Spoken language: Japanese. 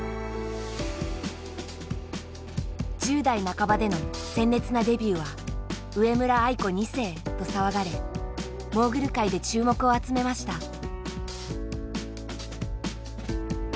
１０代半ばでの鮮烈なデビューは「上村愛子２世」と騒がれモーグル界で注目を集めました。